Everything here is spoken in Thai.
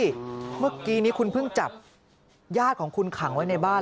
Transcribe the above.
เมื่อกี้นี้คุณเพิ่งจับญาติของคุณขังไว้ในบ้าน